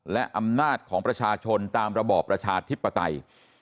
และอำนาจของประชาชนตามระบอบประชาธิปไตย